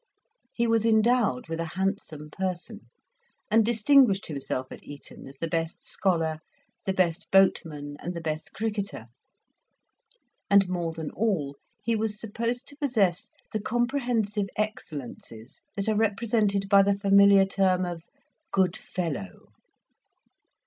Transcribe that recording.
He was endowed with a handsome person, and distinguished himself at Eton as the best scholar, the best boatman, and the best cricketer; and, more than all, he was supposed to possess the comprehensive excellences that are represented by the familiar term of "good fellow."